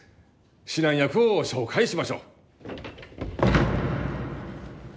指南役を紹介しましょう。